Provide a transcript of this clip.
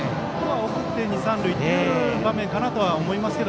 送って、二、三塁という場面かなと思います。